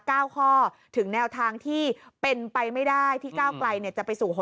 ข้อถึงแนวทางที่เป็นไปไม่ได้ที่ก้าวไกลเนี่ยจะไปสู่หัว